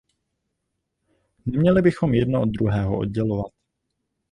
Neměli bychom jedno od druhého oddělovat.